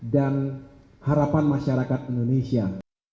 dan harapan masyarakat indonesia